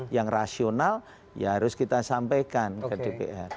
yang rasional ya harus kita sampaikan ke dpr